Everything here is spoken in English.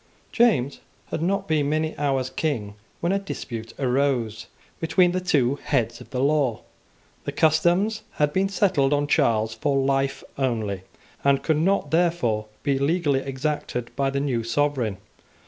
James had not been many hours King when a dispute arose between the two heads of the law. The customs had been settled on Charles for life only, and could not therefore be legally exacted by the new sovereign.